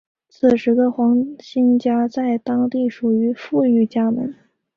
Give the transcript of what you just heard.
当时的黄兴家在当地属于富裕家门。